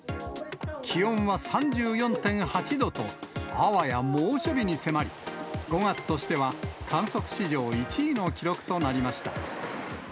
気温は３４．８度と、あわや猛暑日に迫り、５月としては、観測史上１位の記録となりました。